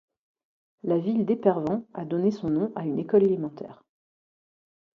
La ville d'Epervans a donné son nom à une école élémentaire.